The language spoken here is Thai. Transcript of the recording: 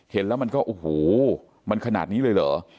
เห็นแล้วมันก็โอ้โหมันขนาดนี้เลยเหรอ